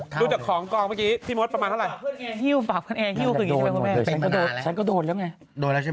ดูจากของกองเมื่อกี้พี่มดประมาณเท่าไหร่